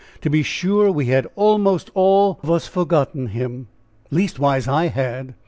to be sure! we had almost all of us forgotten him, leastwise I had.